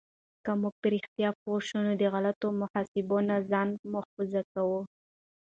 که موږ رښتیا پوه شو، نو د غلطو محاسبو نه ځان محفوظ کړو.